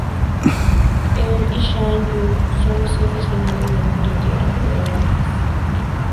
Él y Shan Yu son los jefes finales del mundo Tierra de Dragones.